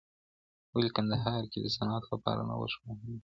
ولي کندهار کي د صنعت لپاره نوښت مهم دی؟